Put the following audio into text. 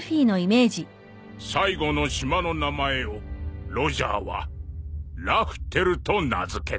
「最後の島の名前をロジャーはラフテルと名付けた」